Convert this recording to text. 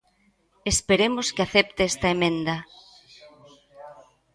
Esperemos que acepte esta emenda.